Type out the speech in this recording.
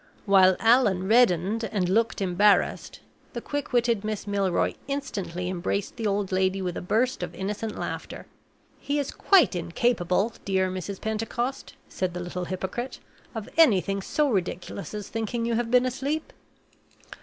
While Allan reddened and looked embarrassed, the quick witted Miss Milroy instantly embraced the old lady with a burst of innocent laughter. "He is quite incapable, dear Mrs. Pentecost," said the little hypocrite, "of anything so ridiculous as thinking you have been asleep!"